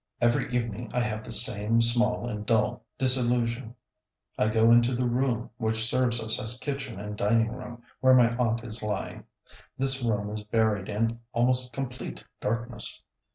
Every evening I have the same small and dull disillusion. I go into the room which serves us as kitchen and dining room, where my aunt is lying. This room is buried in almost complete darkness.